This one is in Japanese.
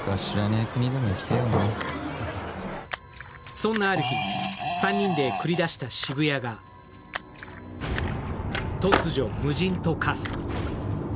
そんなある日、３人で繰り出した渋谷が、突如、無人と化す。